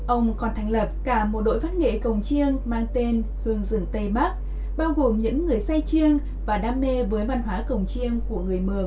ông còn thành lập cả một đội văn nghệ cồng chiêng mang tên hương dường tây bắc bao gồm những người say chiêng và đam mê với văn hóa cồng chiêng của người mường